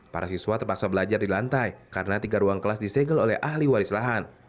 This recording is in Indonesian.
para siswa terpaksa belajar di lantai karena tiga ruang kelas disegel oleh ahli waris lahan